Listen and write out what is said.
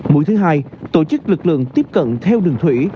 mũi thứ hai tổ chức lực lượng tiếp cận theo đường thủy